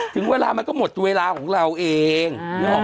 ถึงเวลามันก็หมดเวลาของเราเอง